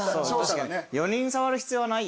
４人触る必要はないよな。